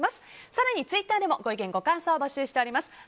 更にツイッターでもご意見、ご感想を募集しています。